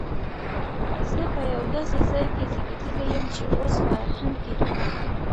زه په یو داسي ځای کي زیږېدلی یم چي اوس په هند کي دی